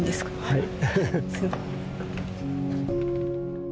はい。